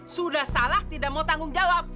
sudah salah tidak mau tanggung jawab